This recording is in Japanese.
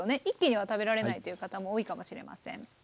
一気には食べられないという方も多いかもしれません。